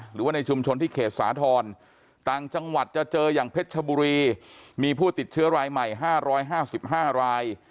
หรือว่าในชุมชนที่เขตสาธรณ์ต่างจังหวัดจะเจออย่างเพชรชบุรีมีผู้ติดเชื้อรายใหม่๕๕ราย